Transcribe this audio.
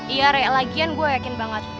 iya kayak lagian gue yakin banget